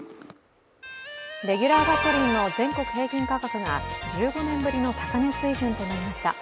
レギュラーガソリンの全国平均価格が１５年ぶりの高値水準となりました。